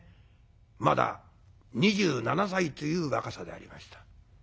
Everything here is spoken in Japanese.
まだ２７歳という若さでありました。